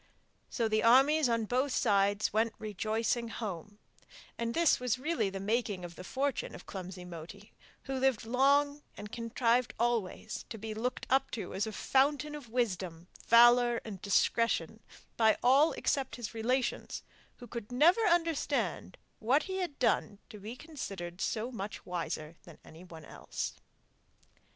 So the armies on both sides went rejoicing home, and this was really the making of the fortune of clumsy Moti, who lived long and contrived always to be looked up to as a fountain of wisdom, valour, and discretion by all except his relations, who could never understand what he had done to be considered so much wiser than anyone else.